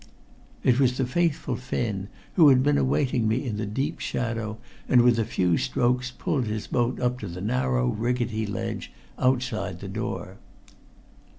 It was the faithful Finn, who had been awaiting me in the deep shadow, and with a few strokes pulled his boat up to the narrow rickety ledge outside the door.